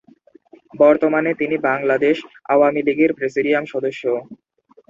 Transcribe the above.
বর্তমানে তিনি বাংলাদেশ আওয়ামীলীগের প্রেসিডিয়াম সদস্য।